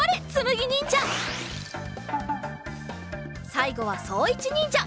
さいごはそういちにんじゃ。